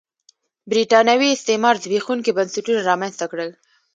برېټانوي استعمار زبېښونکي بنسټونه رامنځته کړل.